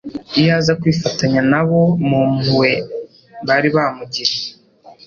Iyo aza kwifatanya na bo mu mpuhwe bari bamugiriye,